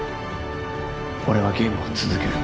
俺はゲームを続ける